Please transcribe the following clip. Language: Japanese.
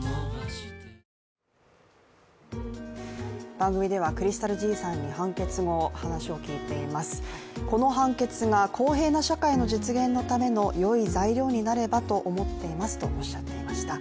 番組ではｃｒｙｓｔａｌ−ｚさんに判決後、話を聞いています、この判決が公平な社会の実現のためのよい材料になればと思っていますとおっしゃっていました。